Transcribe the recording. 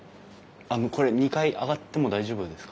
あのこれ２階上がっても大丈夫ですか？